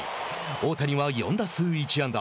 大谷は４打数１安打。